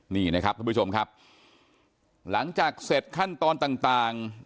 นี่นะครับท่านผู้ชมครับหลังจากเสร็จขั้นตอนต่าง